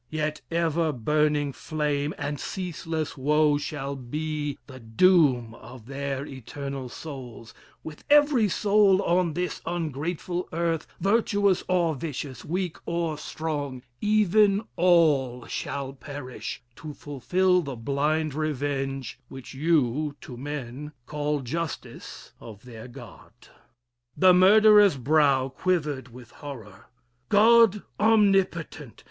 Yet ever burning flame and ceaseless woe Shall be the doom of their eternal souls, With every soul on this ungrateful earth, Virtuous or vicious, weak or strong, even all Shall perish, to fulfil the blind revenge Which you, to men, call justice, of their God." The murderer's brow Quivered with horror. God omnipotent!